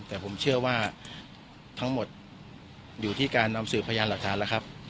แต่ผมเชื่อว่าทั้งหมดอยู่ที่การนำสืบพยานหลักฐานแล้วครับ